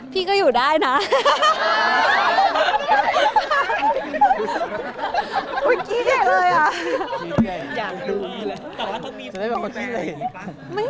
พี่ก็อยู่นะคะ